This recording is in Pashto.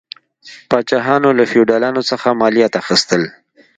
پاچاهانو له فیوډالانو څخه مالیات اخیستل.